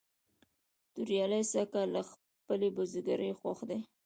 توریالی سږ کال له خپلې بزگرۍ خوښ دی.